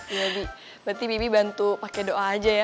iya bi berarti bibi bantu pake doa aja ya